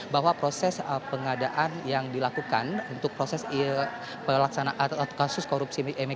bahwa proses pengadaan yang dilakukan untuk proses pelaksanaan atau kasus korupsi